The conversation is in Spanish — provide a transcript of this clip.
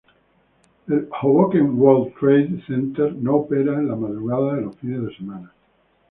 El Hoboken–World Trade Center no opera en la madrugada de los fines de semana.